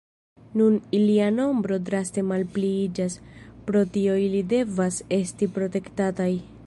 Nun ilia nombro draste malpliiĝas, pro tio ili devas esti protektataj.